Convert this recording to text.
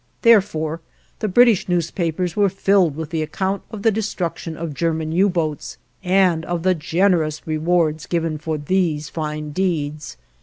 Therefore, the British newspapers were filled with the account of the destruction of German U boats, and of the generous rewards given for these fine deeds.